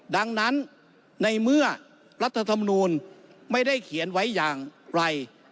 ดังนั้นในเมื่อรัฐธรรมนูลไม่ได้เขียนไว้อย่างไกล